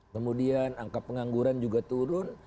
kemudian angka pengangguran juga turun